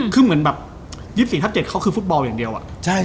คือเหมือนแบบ๒๔ทับ๗เขาคือฟุตบอลอย่างเดียวอะ